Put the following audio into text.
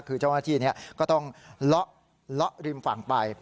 คือเจ้าหน้าที่ก็ต้องเลาะริมฝั่งไป